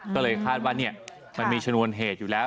ก็เลยคาดว่ามันมีชนวนเหตุอยู่แล้ว